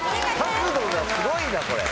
角度がすごいなこれ。